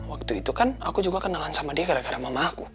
waktu itu kan aku juga kenalan sama dia gara gara mama aku